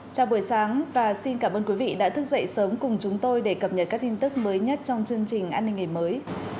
chào buổi sáng và xin cảm ơn quý vị đã thức dậy sớm cùng chúng tôi để cập nhật các tin tức mới nhất trong chương trình an ninh ngày mới